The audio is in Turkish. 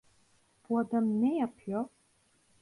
Bu adam ne yapıyor?